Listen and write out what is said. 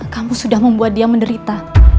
kamu sudah membuat dia menderita